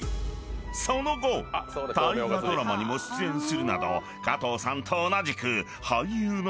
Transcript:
［その後大河ドラマにも出演するなどかとうさんと同じく俳優の道へ］